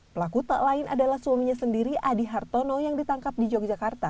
pelaku tak lain adalah suaminya sendiri adi hartono yang ditangkap di yogyakarta